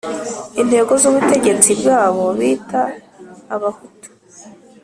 inzego z'ubutegetsi bw'abo bita abahutu.